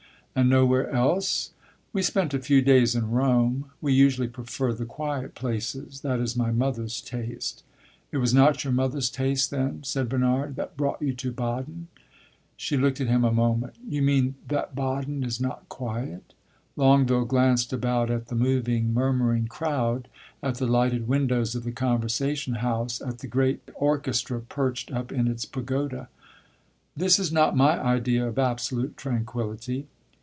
"And nowhere else?" "We spent a few days in Rome. We usually prefer the quiet places; that is my mother's taste." "It was not your mother's taste, then," said Bernard, "that brought you to Baden?" She looked at him a moment. "You mean that Baden is not quiet?" Longueville glanced about at the moving, murmuring crowd, at the lighted windows of the Conversation house, at the great orchestra perched up in its pagoda. "This is not my idea of absolute tranquillity."